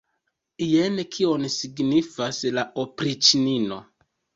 Jen kion signifas la opriĉnino!